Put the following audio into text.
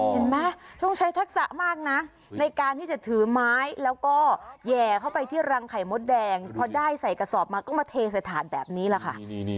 เห็นไหมต้องใช้ทักษะมากนะในการที่จะถือไม้แล้วก็แห่เข้าไปที่รังไข่มดแดงพอได้ใส่กระสอบมาก็มาเทใส่ฐานแบบนี้แหละค่ะ